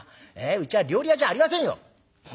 うちは料理屋じゃありませんよ！」。